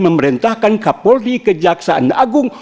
memerintahkan kapolri kejaksaan agung